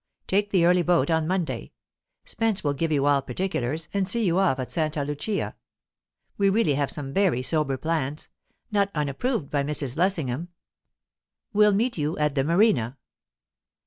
Take the early boat on Monday; Spence will give you all particulars, and see you off at Santa Lucia. We really have some very sober plans, not unapproved by Mrs. Lessingham. Will meet you at the Marina."